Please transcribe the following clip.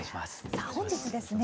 さあ本日ですね